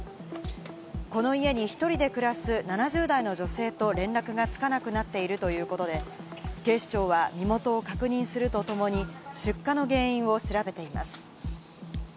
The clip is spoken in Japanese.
この家に１人で暮らす７０代の女性と連絡がつかなくなっているということで、警視庁は身元を確認するとともに、出火の原因を調べています。